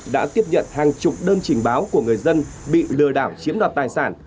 đã tiếp nhận hàng chục đơn trình báo của người dân bị lừa đảo chiếm đoạt tài sản